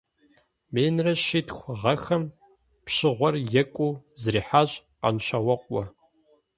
Минрэ щитху гъэхэм пщыгъуэр екӏуу зрихьащ Къанщауэкъуэ.